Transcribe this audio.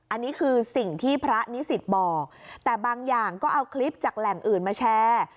อันนี้คือสิ่งที่พระนิสิตบอกแต่บางอย่างก็เอาคลิปจากแหล่งอื่นมาแชร์